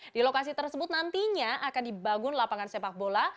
di lokasi tersebut nantinya akan dibangun lapangan sepak bola